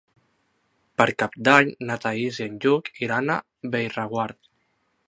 Per Cap d'Any na Thaís i en Lluc iran a Bellreguard.